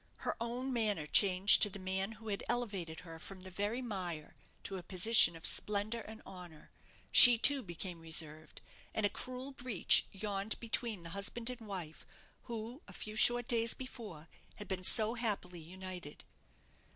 Her own manner changed to the man who had elevated her from the very mire to a position of splendour and honour. She, too, became reserved, and a cruel breach yawned between the husband and wife who, a few short days before, had been so happily united.